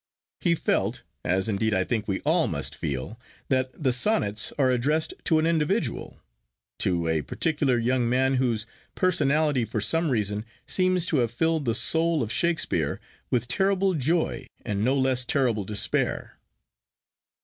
He felt, as indeed I think we all must feel, that the Sonnets are addressed to an individual,—to a particular young man whose personality for some reason seems to have filled the soul of Shakespeare with terrible joy and no less terrible despair.